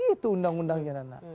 kan begitu undang undangnya nana